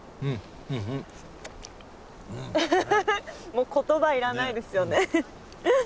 もう言葉いらないですよね。